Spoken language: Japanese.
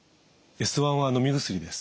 Ｓ‐１はのみ薬です。